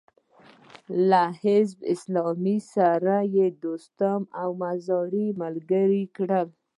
له حزب اسلامي سره يې دوستم او مزاري ملګري کړل.